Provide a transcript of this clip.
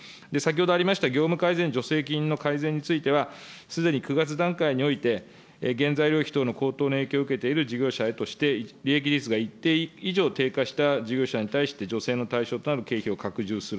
先ほどありました業務改善助成金の改善については、すでに９月段階において、原材料費等の高騰の影響を受けている事業者へとして、利益率が一定以上低下した事業者に対して助成の対象となる経費を拡充する。